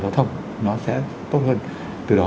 điện thoại giao thông